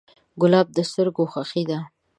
ګلاب د سترګو خوښي ده.